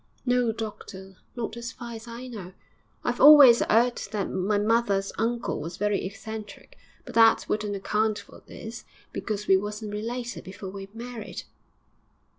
'No, doctor, not as far as I know. I've always 'eard that my mother's uncle was very eccentric, but that wouldn't account for this, because we wasn't related before we married.'